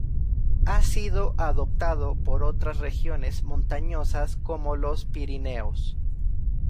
Ha sido adoptado por otras regiones montañosas como los Pirineos.